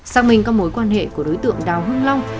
xác minh các mối quan hệ của đối tượng đào hưng long